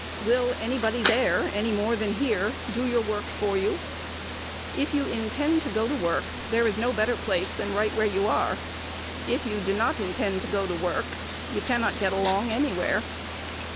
Will anybody there, any more than here, do your work for you? If you intend to go to work, there is no better place than right where you are: if you do not intend to go to work, you cannot get along anywhere.